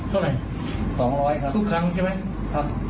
เท่าไหร่๒๐๐ครับทุกครั้งใช่ไหมครับ